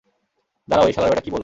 দাঁড়াও, এই শালার ব্যাটা কী বলল?